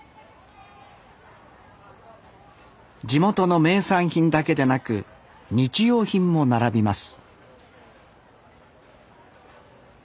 地元の名産品だけでなく日用品も並びます